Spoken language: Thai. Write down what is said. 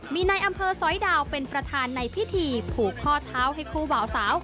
มีในอำเภอสอยดาวเป็นประธานในพิธีผูกข้อเท้าให้คู่บ่าวสาว